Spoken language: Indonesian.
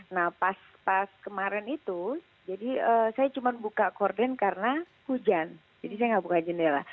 nah pas kemarin itu jadi saya cuma buka korden karena hujan jadi saya nggak buka jendela